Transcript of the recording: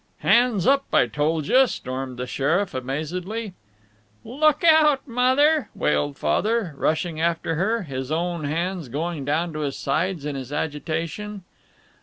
"Hands up, I told juh!" stormed the sheriff, amazedly. "Oh, look out, Mother!" wailed Father, rushing after her, his own hands going down to his sides in his agitation.